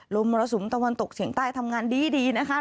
มรสุมตะวันตกเฉียงใต้ทำงานดีนะคะ